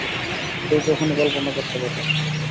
কেউ কখনও কল্পনাও করতে পারবে না।